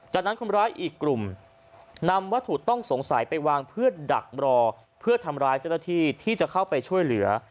จากนั้นคนร้ายอีกกลุ่มนำวัตถุต้องสงสัยไปวางเพื่อดักรอเพื่อทำร้ายเจ้าหน้าที่ที่จะเข้าไปช่วยเหลือ